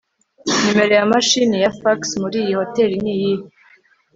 numero ya mashini ya fax muriyi hoteri niyihe